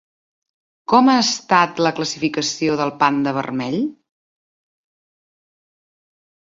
Com ha estat la classificació del panda vermell?